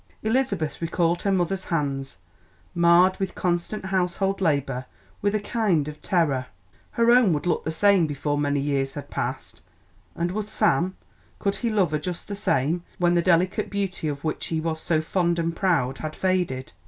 Elizabeth recalled her mother's hands, marred with constant household labour, with a kind of terror. Her own would look the same before many years had passed, and would Sam could he love her just the same when the delicate beauty of which he was so fond and proud had faded?